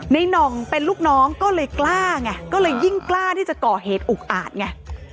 น่องเป็นลูกน้องก็เลยกล้าไงก็เลยยิ่งกล้าที่จะก่อเหตุอุกอาจไง